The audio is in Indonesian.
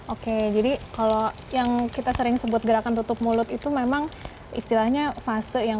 oke jadi kalau yang kita sering sebut gerakan tutup mulut itu memang istilahnya fase yang